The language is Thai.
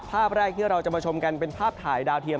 ภาพแรกที่เราจะมาชมกันเป็นภาพถ่ายดาวเทียม